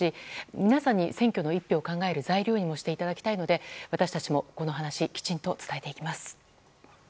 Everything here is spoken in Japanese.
皆さんにも選挙を考える１票にもしていただきたいので私たちも、この話をきちんと伝えていきます。